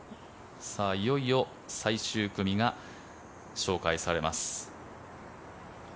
いよいよ最終組が紹介されます。